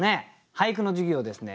俳句の授業をですね